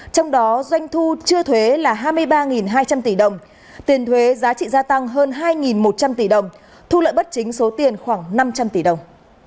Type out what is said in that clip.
trong đó doanh thu chưa thuế là hai mươi ba hai trăm linh tỷ đồng tiền thuế giá trị gia tăng hơn hai một trăm linh tỷ đồng thu lợi bất chính số tiền khoảng năm trăm linh tỷ đồng